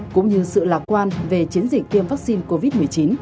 cũng như sự lạc quan về chiến dịch tiêm vaccine covid một mươi chín